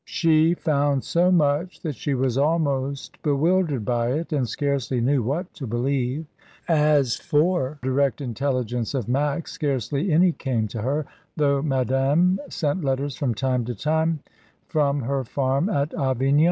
She found so much that she was almost bewildered by it, and scarcely knew what to believe; as for direct intelligence of Max, scarcely any came to her, thougi: Madame sent letters from time to time from he: farm at Avignon.